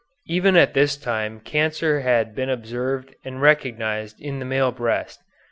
Even at this time cancer had been observed and recognized in the male breast.